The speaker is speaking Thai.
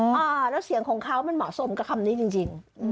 แล้วเสียงของเขามันเหมาะสมกับคำนี้จริง